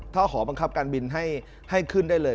ถ้าหอบังคับการบินให้ขึ้นได้เลย